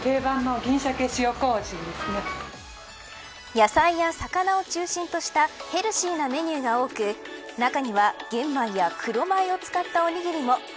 野菜や魚を中心としたヘルシーなメニューが多く中には、玄米や黒米を使ったおにぎりも。